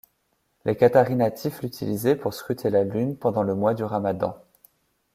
Les Qataris natifs l'utilisaient pour scruter la Lune pendant le mois du Ramadan.